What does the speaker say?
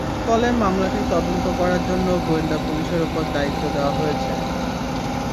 ফলে মামলাটির তদন্ত করার জন্য গোয়েন্দা পুলিশের ওপর দায়িত্ব দেওয়া হয়েছে।